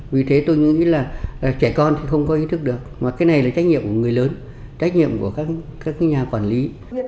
ví dụ như là trẻ con thì không có ý thức được mà cái này là trách nhiệm của người lớn trách nhiệm của các nhà quản lý